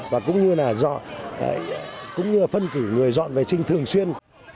và cũng như là phân cử người dọn vệ sinh thường xuyên